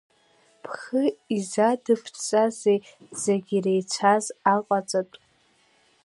Бхы изадыбҵазеи зегь иреицәаз аҟаҵатәы?